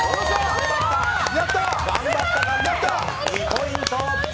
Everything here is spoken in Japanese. ２ポイント！